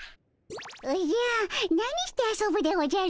おじゃ何して遊ぶでおじゃる？